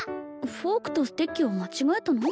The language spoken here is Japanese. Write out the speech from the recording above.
フォークとステッキを間違えたの？